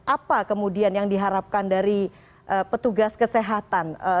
apa kemudian yang diharapkan dari petugas kesehatan